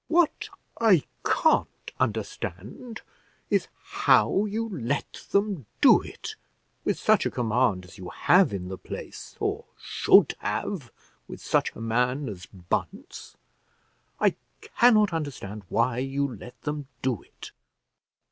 "What I can't understand is, how you let them do it, with such a command as you have in the place, or should have with such a man as Bunce. I cannot understand why you let them do it."